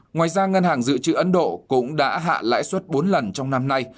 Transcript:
ngoài ra ngân hàng dự trữ ấn độ cũng đã hạ lãi suất bốn lần trong năm nay